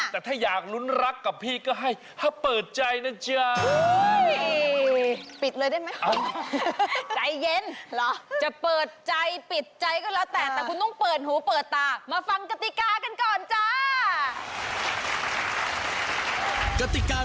แต่ถ้าอยากลุ้นรักกับพี่ก็ให้ถ้าเปิดใจนะจ๊ะ